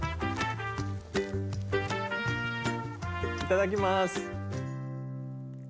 いただきます！